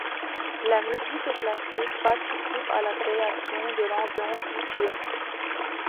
La musique classique participe à la création de l'ambiance du film.